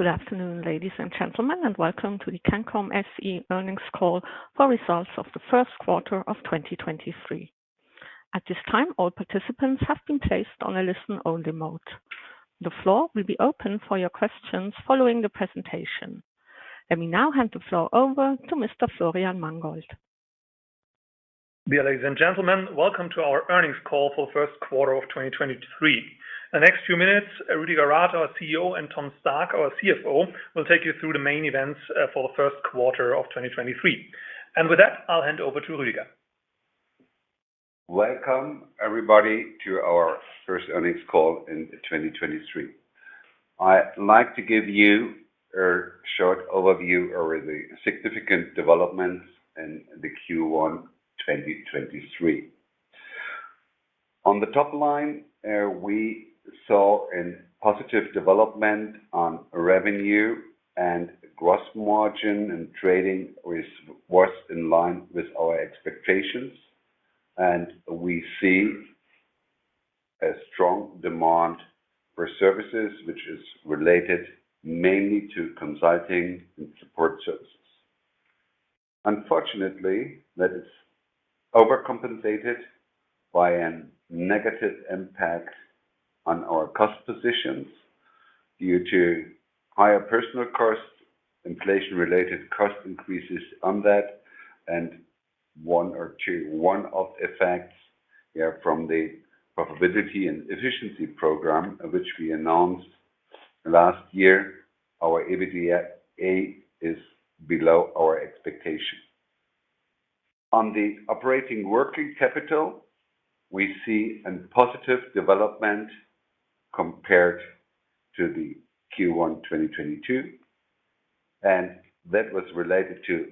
Good afternoon, ladies and gentlemen, welcome to the CANCOM SE Earnings Call for Results of the Q1 of 2023. At this time, all participants have been placed on a listen-only mode. The floor will be open for your questions following the presentation. Let me now hand the floor over to Mr. Florian Mangold. Ladies and gentlemen, welcome to our earnings call for Q1 of 2023. The next few minutes, Rüdiger Rath, our CEO, and Thomas Stark, our CFO, will take you through the main events for the Q1 of 2023. With that, I'll hand over to Rüdiger. Welcome everybody to our first earnings call in 2023. I'd like to give you a short overview over the significant developments in the Q1 2023. On the top line, we saw a positive development on revenue and gross margin. Trading was in line with our expectations. We see a strong demand for services which is related mainly to consulting and support services. Unfortunately, that is overcompensated by a negative impact on our cost positions due to higher personnel costs, inflation-related cost increases on that, and one-off effects from the profitability and efficiency program, which we announced last year. Our EBITDA is below our expectation. On the operating working capital, we see a positive development compared to the Q1 2022. That was related to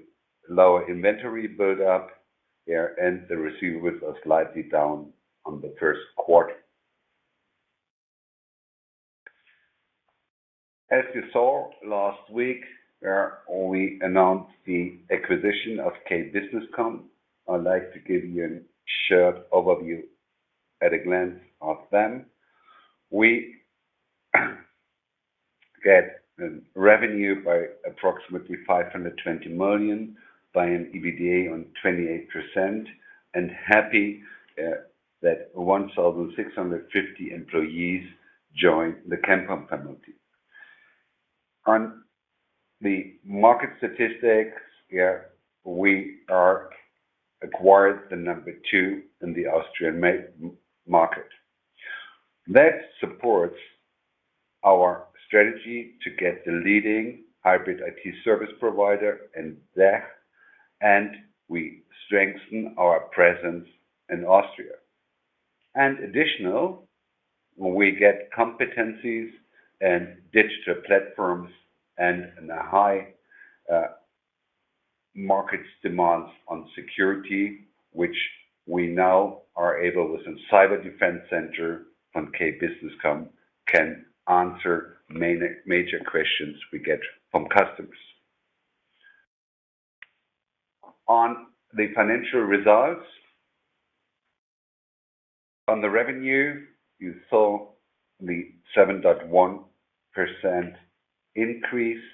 lower inventory build-up. The receivables are slightly down on the first quarter. As you saw last week, we announced the acquisition of K-Businesscom. I'd like to give you a short overview at a glance of them. We get revenue by approximately 520 million, by an EBITDA on 28% and happy that 1,650 employees joined the CANCOM family. On the market statistics, we are acquired the number two in the Austrian market. That supports our strategy to get the leading Hybrid IT service provider in DACH, we strengthen our presence in Austria. Additional, we get competencies and digital platforms and a high markets demands on security, which we now are able with some Cyber Defense Center from K-Businesscom can answer major questions we get from customers. On the financial results. On the revenue, you saw the 7.1% increase.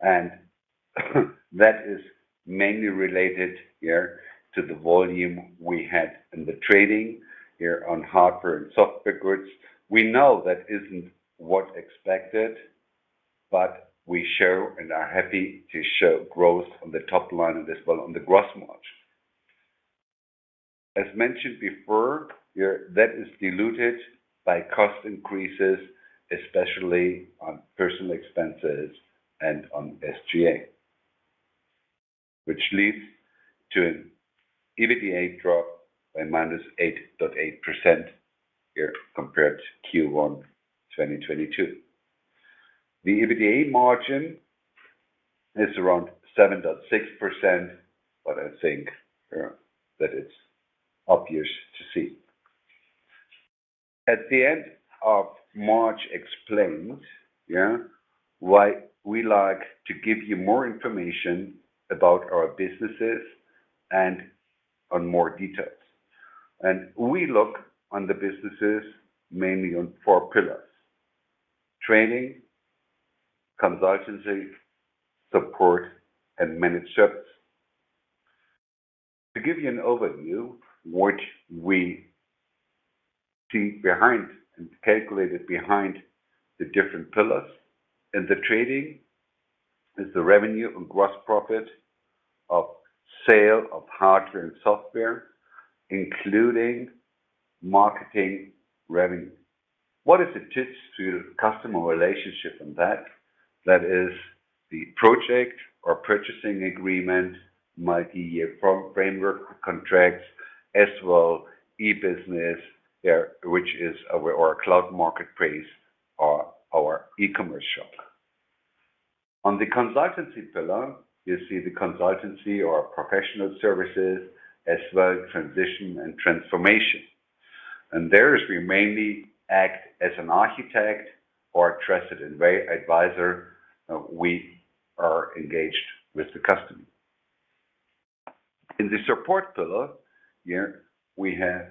That is mainly related, yeah, to the volume we had in the trading, yeah, on hardware and software goods. We know that isn't what expected. We show and are happy to show growth on the top line and as well on the gross margin. As mentioned before, yeah, that is diluted by cost increases, especially on personnel expenses and on SGA, which leads to an EBITDA drop by minus 8.8%, yeah, compared to Q1, 2022. The EBITDA margin is around 7.6%. I think, yeah, that it's obvious to see. At the end of March explains, yeah, why we like to give you more information about our businesses and on more details. We look on the businesses mainly on four pillars: training, consultancy, support, and managed service. To give you an overview, which we see behind and calculated behind the different pillars. In the Trading is the revenue and gross profit of sale of hardware and software, including marketing revenue. What is it just to customer relationship in that? That is the project or purchasing agreement, multi-year pro-framework contracts, as well e-business, yeah, which is our cloud marketplace or our e-commerce shop. On the Consultancy pillar, you see the consultancy or professional services as well transition and transformation. There is we mainly act as an architect or trusted advisor. We are engaged with the customer. In the Support pillar, yeah, we have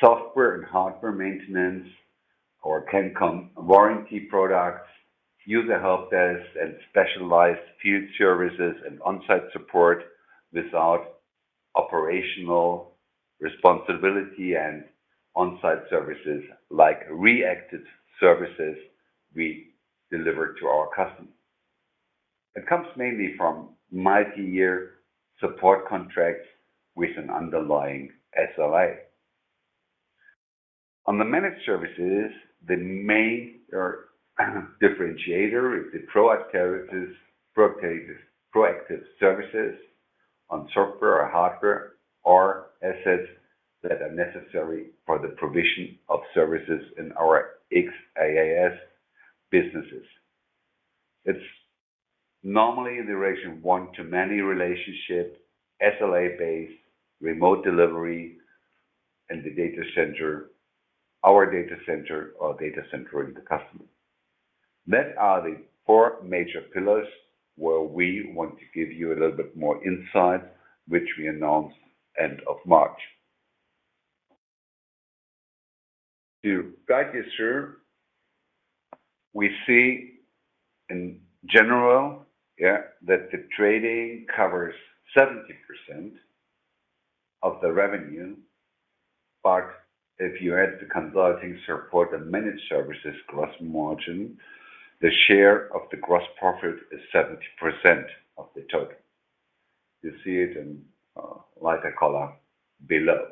software and hardware maintenance, or CANCOM warranty products, user help desk, and specialized field services and on-site support without operational responsibility and on-site services like reactive services we deliver to our customers. It comes mainly from multi-year support contracts with an underlying SLA. On the managed services, the main or differentiator is the proactive services on software or hardware or assets that are necessary for the provision of services in our XaaS businesses. It's normally in the ratio of one to many relationship, SLA-based, remote delivery in the data center, our data center or data center in the customer. That are the four major pillars where we want to give you a little bit more insight, which we announced end of March. To guide you through, we see in general, yeah, that the trading covers 70% of the revenue. If you add the consulting support and managed services gross margin, the share of the gross profit is 70% of the total. You see it in lighter color below.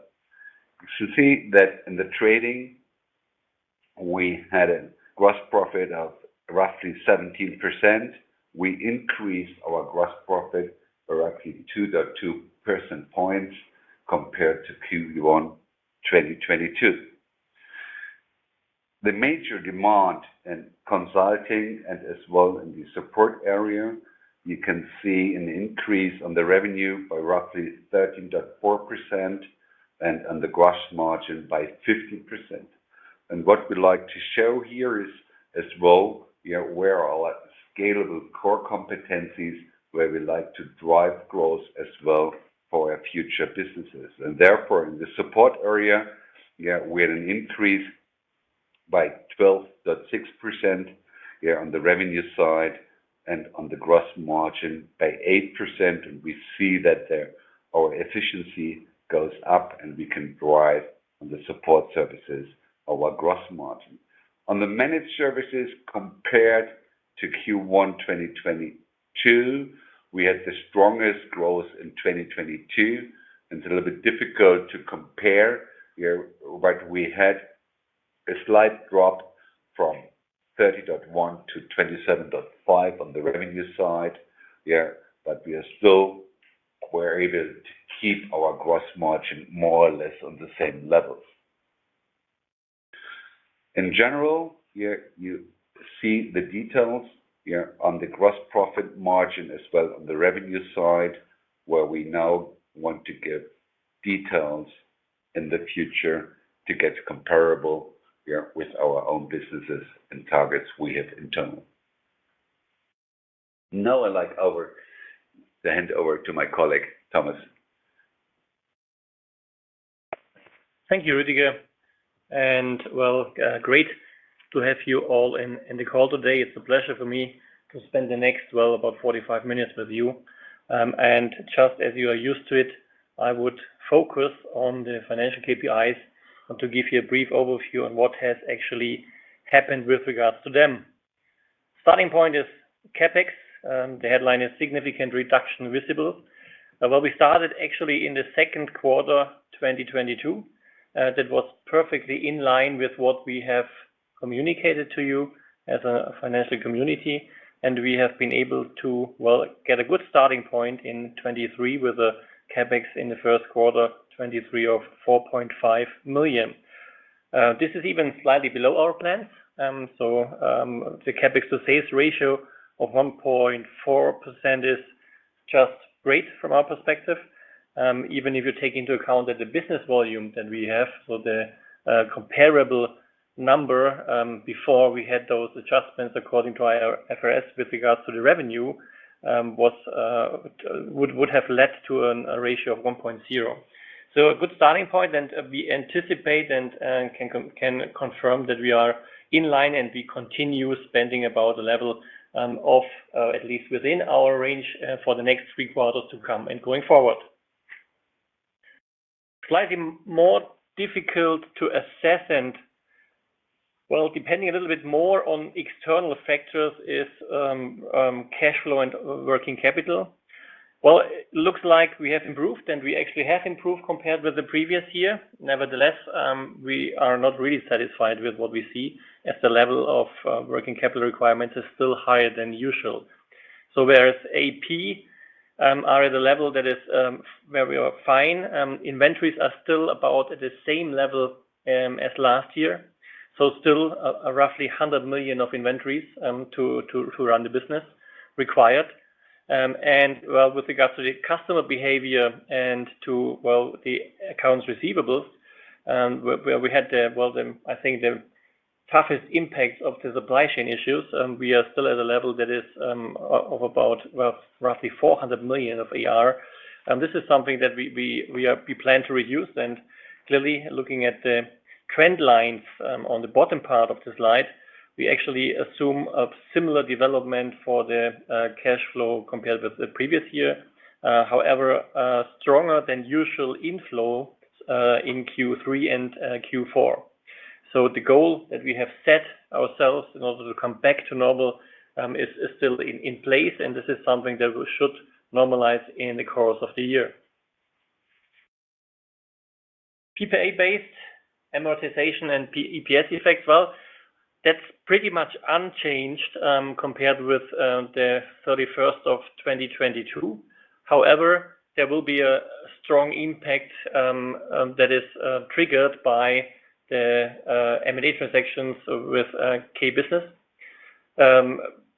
You should see that in the trading, we had a gross profit of roughly 17%. We increased our gross profit roughly 2.2 percent points compared to Q1 2022. The major demand in consulting and as well in the support area, you can see an increase on the revenue by roughly 13.4% and on the gross margin by 50%. What we like to show here is as well, where are our scalable core competencies, where we like to drive growth as well for our future businesses. Therefore, in the support area, we had an increase by 12.6% on the revenue side and on the gross margin by 8%. We see that there our efficiency goes up, and we can drive on the support services our gross margin. On the managed services compared to Q1 2022, we had the strongest growth in 2022. It's a little bit difficult to compare here, but we had a slight drop from 30.1 to 27.5 on the revenue side, yeah. We are still were able to keep our gross margin more or less on the same levels. In general, yeah, you see the details, yeah, on the gross profit margin as well on the revenue side, where we now want to give details in the future to get comparable, yeah, with our own businesses and targets we have internal. Now, I'd like to hand over to my colleague, Thomas. Thank you, Rüdiger. Well, great to have you all in the call today. It's a pleasure for me to spend the next, well, about 45 minutes with you. Just as you are used to it, I would focus on the financial KPIs and to give you a brief overview on what has actually happened with regards to them. Starting point is CapEx, the headline is significant reduction visible. Well, we started actually in the Q2 2022, that was perfectly in line with what we have communicated to you as a financial community, and we have been able to, well, get a good starting point in 2023 with a CapEx in the Q1 2023 of 4.5 million. This is even slightly below our plan. The CapEx to sales ratio of 1.4% is just great from our perspective, even if you take into account that the business volume that we have, so the comparable number before we had those adjustments according to our IFRS with regards to the revenue, was would have led to a ratio of 1.0. A good starting point, and we anticipate and can confirm that we are in line, and we continue spending about the level of at least within our range for the next three quarters to come and going forward. Slightly more difficult to assess and, well, depending a little bit more on external factors is cash flow and working capital. Well, it looks like we have improved, we actually have improved compared with the previous year. Nevertheless, we are not really satisfied with what we see as the level of working capital requirements is still higher than usual. Whereas AP are at a level that is very well fine, inventories are still about at the same level as last year. Still a roughly 100 million of inventories to run the business required. Well, with regards to the customer behavior and to, well, the accounts receivables and where we had the, well, I think, the toughest impact of the supply chain issues, we are still at a level that is of about, well, roughly 400 million of AER. This is something that we plan to reduce. Clearly, looking at the trend lines, on the bottom part of the slide, we actually assume a similar development for the cash flow compared with the previous year. However, a stronger than usual inflow in Q3 and Q4. The goal that we have set ourselves in order to come back to normal, is still in place, and this is something that we should normalize in the course of the year. PPA-based amortization and P-EPS effect, well, that's pretty much unchanged, compared with the 31st of 2022. However, there will be a strong impact that is triggered by the M&A transactions with K Business.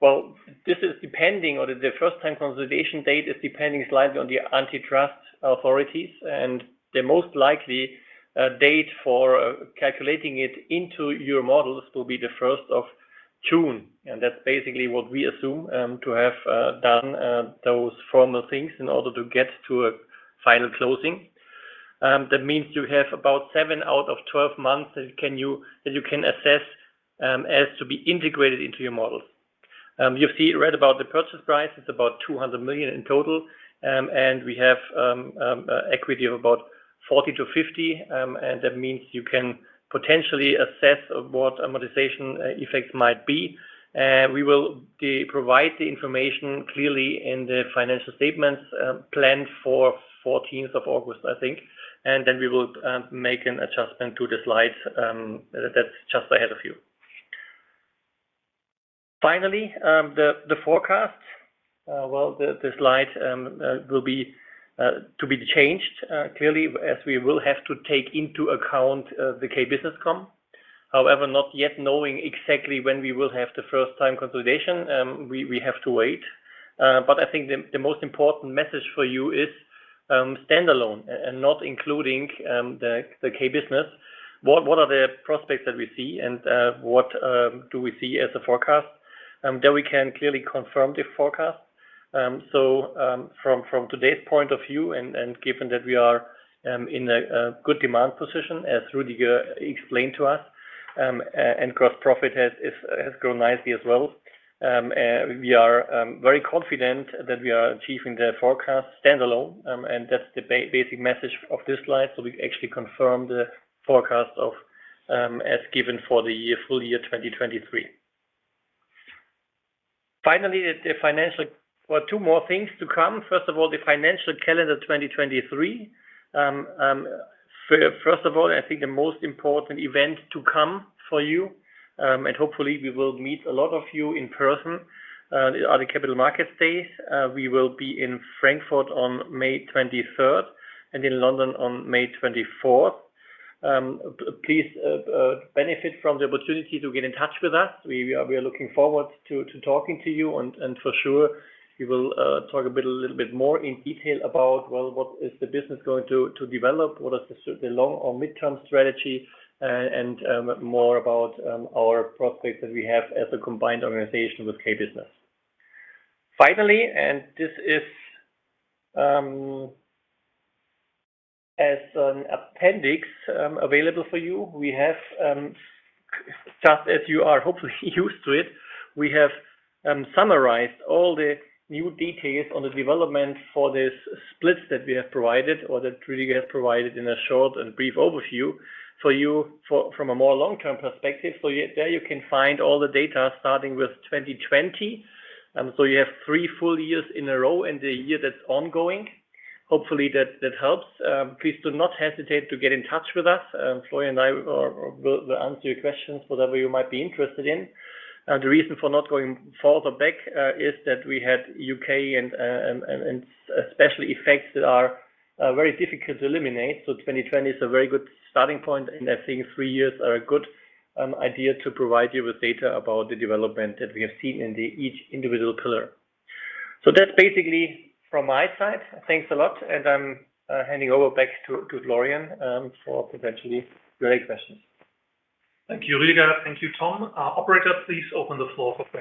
Well, this is depending or the first time consolidation date is depending slightly on the antitrust authorities. The most likely date for calculating it into your models will be the 1st of June. That's basically what we assume to have done those formal things in order to get to a final closing. That means you have about seven out of 12 months that you can assess as to be integrated into your models. You've read about the purchase price. It's about 200 million in total. We have equity of about 40 million to 50 million. That means you can potentially assess what amortization effects might be. We will provide the information clearly in the financial statements, planned for 14th of August, I think. Then we will make an adjustment to the slides that's just ahead of you. Finally, the forecast, well, the slide, will be to be changed clearly as we will have to take into account the K-Businesscom. Not yet knowing exactly when we will have the first time consolidation, we have to wait. I think the most important message for you is standalone and not including the K-Businesscom. What are the prospects that we see and what do we see as a forecast? There we can clearly confirm the forecast. From today's point of view and given that we are in a good demand position, as Rüdiger explained to us, and gross profit has grown nicely as well. We are very confident that we are achieving the forecast standalone, and that's the basic message of this slide. We've actually confirmed the forecast of as given for the year, full year 2023. Finally. Well, two more things to come. First of all, the financial calendar 2023. First of all, I think the most important event to come for you, and hopefully we will meet a lot of you in person, are the Capital Markets Day. We will be in Frankfurt on May 23rd and in London on May 24th. Please benefit from the opportunity to get in touch with us. We are looking forward to talking to you and for sure we will talk a bit, a little bit more in detail about, well, what is the business going to develop, what is the long or midterm strategy, and more about our prospects that we have as a combined organization with K-Businesscom. Finally, this is as an appendix available for you, we have just as you are hopefully used to it, we have summarized all the new details on the development for this splits that we have provided or that Rüdiger has provided in a short and brief overview for you from a more long-term perspective. There you can find all the data starting with 2020. You have three full years in a row and the year that's ongoing. Hopefully that helps. Please do not hesitate to get in touch with us. Florian and I will answer your questions, whatever you might be interested in. The reason for not going further back is that we had U.K. and especially effects that are very difficult to eliminate. 2020 is a very good starting point, and I think three years are a good idea to provide you with data about the development that we have seen in the each individual pillar. That's basically from my side. Thanks a lot, and I'm handing over back to Florian for potentially your questions. Thank you, Rüdiger. Thank you, Tom. operator, please open the floor for questions.